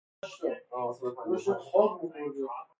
چنگ پشت